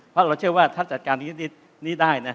เพราะเราเชื่อว่าถ้าจัดการนิดนี้ได้นะ